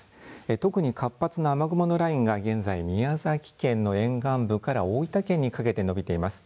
特に活発な雨雲のラインが現在、宮崎県の沿岸部から大分県にかけて伸びています。